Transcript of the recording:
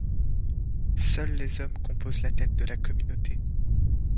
Seuls les hommes composent la tête de la communauté.